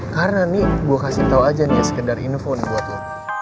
karena nih gue kasih tau aja nih ya sekedar info nih buat lo